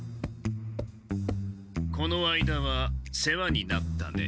この間は世話になったね。